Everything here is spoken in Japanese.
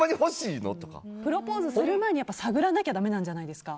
プロポーズする前に探らなきゃいけないんじゃないですか。